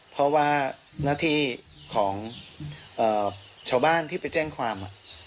เพราะว่าหน้าที่ของชาวบ้านที่ไปแจ้งความ